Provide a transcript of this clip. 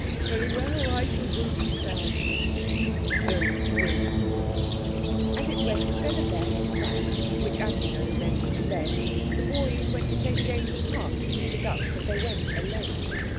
Very well, I shall go to sand. Please don't wake me." And it went then and there to sand, which, as you know, meant to bed. The boys went to St James's Park to feed the ducks, but they went alone.